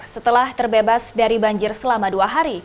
setelah terbebas dari banjir selama dua hari